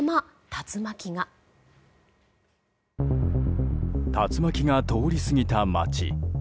竜巻が通り過ぎた町。